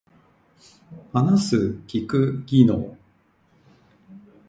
話す聞く技能